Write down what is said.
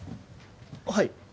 はい。